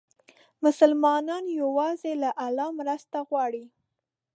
مسلمان یوازې له الله مرسته غواړي.